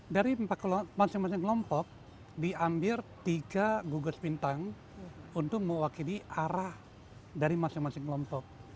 dari masing masing kelompok diambil tiga gugus bintang untuk mewakili arah dari masing masing kelompok